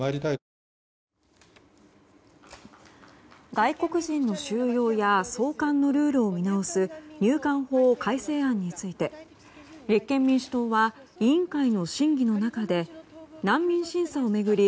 外国人の収容や送還のルールを見直す入管法改正案について立憲民主党は委員会の審議の中で難民審査を巡り